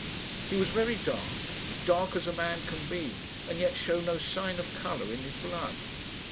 He was very dark dark as a man can be, and yet show no sign of colour in his blood.